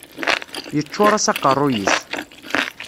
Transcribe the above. Yeččur-as aqerruy-is.